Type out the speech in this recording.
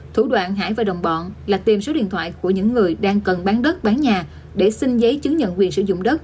thủ đoạn hải và đồng bọn là tìm số điện thoại của những người đang cần bán đất bán nhà để xin giấy chứng nhận quyền sử dụng đất